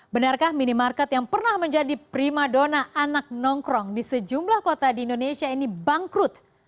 benarkah minimarket yang pernah menjadi prima dona anak nongkrong di sejumlah kota di indonesia ini bangkrut